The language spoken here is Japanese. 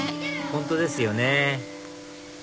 本当ですよね